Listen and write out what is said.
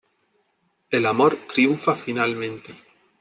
El amor triunfa finalmente.